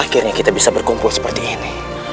akhirnya kita bisa berkumpul seperti ini